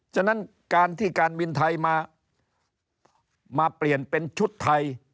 ฉะนั้นการที่การบินไทยมาเปลี่ยนเป็นชุดไทย